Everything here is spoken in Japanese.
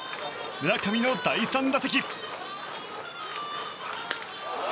村上の第３打席。